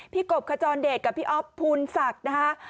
กบขจรเดชกับพี่อ๊อฟภูนศักดิ์นะคะ